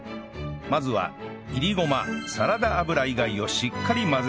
まずは煎りごまサラダ油以外をしっかり混ぜます